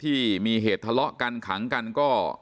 พี่สาวต้องเอาอาหารที่เหลืออยู่ในบ้านมาทำให้เจ้าหน้าที่เข้ามาช่วยเหลือ